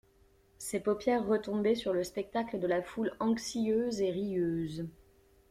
Ses paupières retombaient sur le spectacle de la foule anxieuse et rieuse.